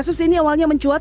kasus ini awalnya mencuat